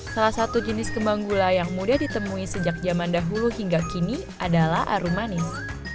salah satu jenis kembang gula yang mudah ditemui sejak zaman dahulu hingga kini adalah aru manis